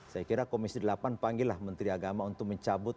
saya kira komisi delapan panggillah menteri agama untuk mencabut